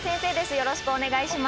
よろしくお願いします。